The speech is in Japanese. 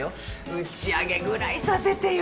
打ち上げぐらいさせてよ。